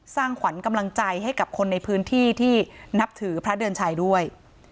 สร้างขวัญกำลังใจให้กับคนในพื้นที่ที่นับถือพระเดือนชัยด้วย